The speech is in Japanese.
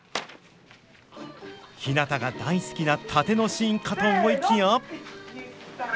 ひなたが大好きな殺陣のシーンかと思いきや。